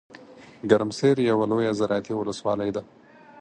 ګرمسیر یوه لویه زراعتي ولسوالۍ ده .